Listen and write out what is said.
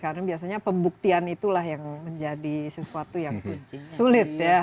karena biasanya pembuktian itulah yang menjadi sesuatu yang sulit ya